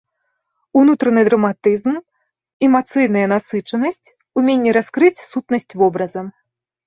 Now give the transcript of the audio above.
Унутраны драматызм, эмацыйная насычанасць, уменне раскрыць сутнасць вобраза.